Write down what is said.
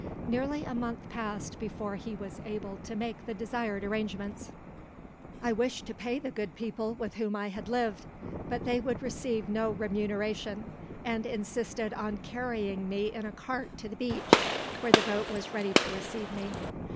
Nearly a month passed before he was able to make the desired arrangements. I wished to pay the good people with whom I had lived, but they would receive no remuneration, and insisted on carrying me in a cart to the beach, where the boat was ready to receive me.